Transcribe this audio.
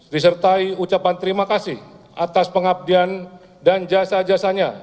disertai ucapan terima kasih atas pengabdian dan jasa jasanya